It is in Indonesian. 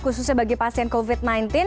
khususnya bagi pasien covid sembilan belas